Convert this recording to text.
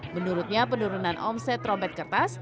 menurutnya penurunan omset trompet kertas